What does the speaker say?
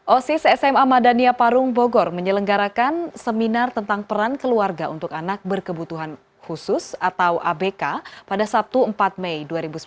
osis sma madania parung bogor menyelenggarakan seminar tentang peran keluarga untuk anak berkebutuhan khusus atau abk pada sabtu empat mei dua ribu sembilan belas